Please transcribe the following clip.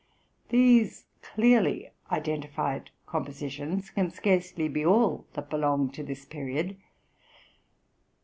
These clearly identified compositions can scarcely be all that belong to this period.